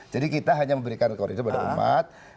jadi kita hanya memberikan koridor pada umat